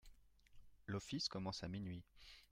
L'office commence à minuit.